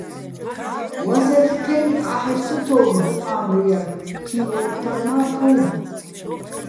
ვასერხ თა́ინი̆, ყა́ჰ̦ეშ ცო თოუ̆გო̆ დუჴ ა́მბუჲ ჲარ, თივ-ო́თთარ მა - თოუ̆გო̆.